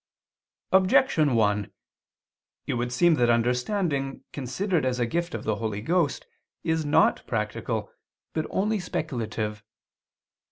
Objection 1: It would seem that understanding, considered as a gift of the Holy Ghost, is not practical, but only speculative.